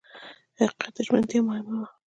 حقیقت ته ژمنتیا مهمه وه.